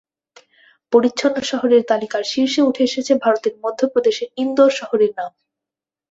পরিচ্ছন্ন শহরের তালিকার শীর্ষে উঠে এসেছে ভারতের মধ্যপ্রদেশের ইন্দোর শহরের নাম।